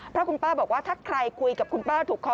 เพราะคุณป้าบอกว่าถ้าใครคุยกับคุณป้าถูกคอ